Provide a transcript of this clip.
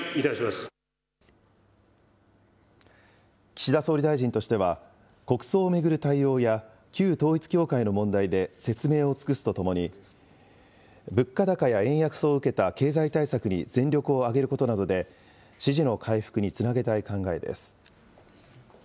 岸田総理大臣としては、国葬を巡る対応や旧統一教会の問題で説明を尽くすとともに、物価高や円安を受けた経済対策に全力を挙げることなどで、支持の回復につなげたい考えです。